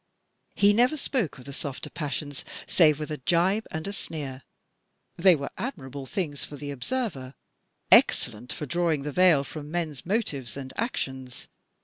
He never spoke of the softer passions, save with a gibe and a sneer. They were admirable things for the observer — excellent for drawing the veil from men's motives and actions.